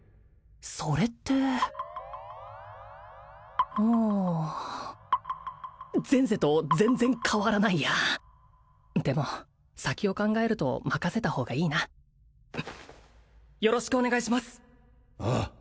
それってうん前世と全然変わらないやでも先を考えると任せた方がいいなよろしくお願いしますああ